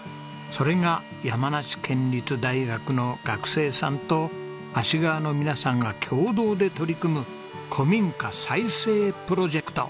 それが山梨県立大学の学生さんと芦川の皆さんが共同で取り組む古民家再生プロジェクト。